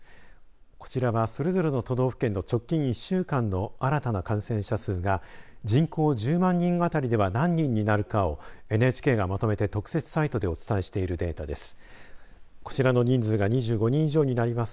こちらは、それぞれの都道府県の直近１週間の新たな感染者数が人口１０万人あたりでは何人になるかをＮＨＫがまとめて特設サイトでお伝えしているデータです。